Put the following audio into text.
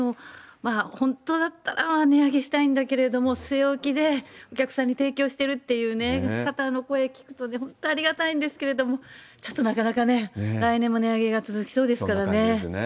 本当だったら値上げしたいんだけれども、据え置きでお客さんに提供してるっていう方の声聞くと、本当ありがたいんですけれども、ちょっとなかなかね、来年も値上げが続きそうですからね。